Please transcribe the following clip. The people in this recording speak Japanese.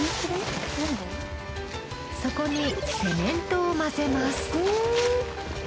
そこにセメントを混ぜます。